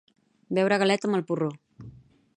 Beure a galet amb el porró